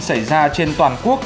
xảy ra trên toàn nước